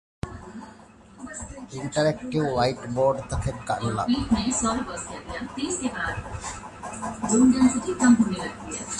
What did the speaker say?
އިންޓަރެކްޓިވް ވައިޓްބޯޑްތަކެއް ގަންނަން